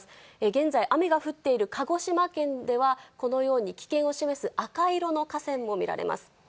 現在、雨が降っている鹿児島県では、このように危険を示す赤色の河川も見られます。